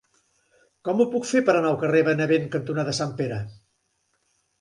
Com ho puc fer per anar al carrer Benevent cantonada Sant Pere?